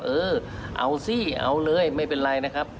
เออเอาสิเอาเลยไม่เป็นไรนะครับ